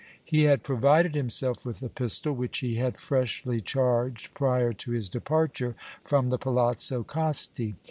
He had provided himself with a pistol, which he had freshly charged prior to his departure from the Palazzo Costi.